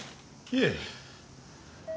いえ。